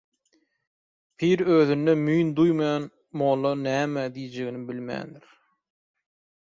Pir özündе müýn duýmaýan mоlla nämе diýjеgini bilmändir.